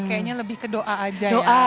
kayaknya lebih ke doa aja ya